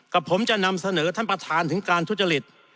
กับผมจะนำเสนอท่านประธานถึงการทุจริต